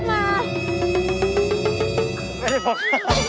ไม่ใช่บอก